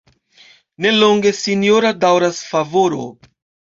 Ne longe sinjora daŭras favoro.